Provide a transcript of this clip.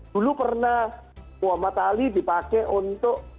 dulu pernah muhammad ali dipakai untuk